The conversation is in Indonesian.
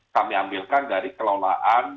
kami ambilkan dari kelolaan